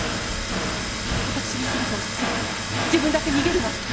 私に全て押しつけて自分だけ逃げるなんて。